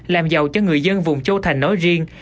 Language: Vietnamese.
làm giàu cho người dân vùng châu thành nói riêng